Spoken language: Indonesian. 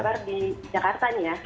kita kabar di jakarta nih ya